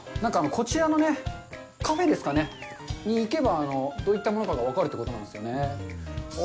こちらのカフェですかね、行けばどういったものか分かるということなんですよね。